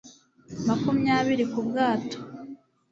makumyabiri ku bwato